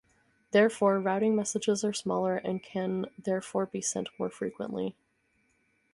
Therefore, routing messages are smaller, and can therefore be sent more frequently.